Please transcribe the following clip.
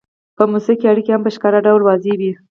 په موسسه کې اړیکې هم په ښکاره ډول واضحې وي.